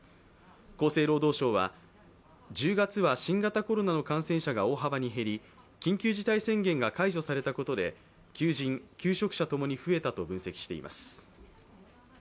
厚生労働省は、１０月は新型コロナの感染者が大幅に減り緊急事態宣言が解除されたことで求人、求職者ともに増えたと分析しています。